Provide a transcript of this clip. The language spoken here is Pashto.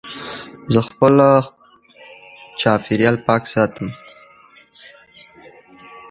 زه خپل چاپېریال پاک ساتم.